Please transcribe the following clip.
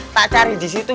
tak cari disitu